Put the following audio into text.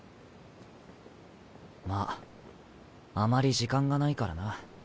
まぁあまり時間がないからな。